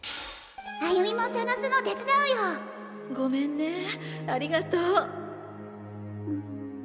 歩美も探すの手伝うよごめんねありがとう